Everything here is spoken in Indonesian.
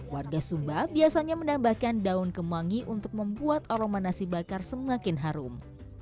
warga sumba biasanya menambahkan daun kemangi untuk membuat aroma nasi bakar semakin harum